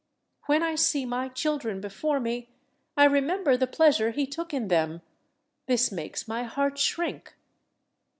When I see my children before me, I remember the pleasure he took in them: this makes my heart shrink."